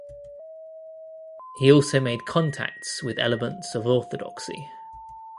He also made contacts with elements of Orthodoxy.